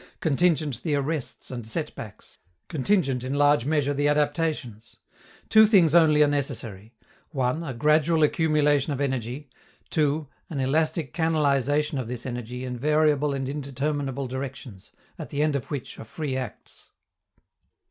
Contingent the arrests and set backs; contingent, in large measure, the adaptations. Two things only are necessary: (1) a gradual accumulation of energy; (2) an elastic canalization of this energy in variable and indeterminable directions, at the end of which are free acts.